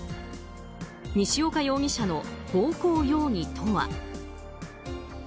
西岡容疑者の暴行容疑とは。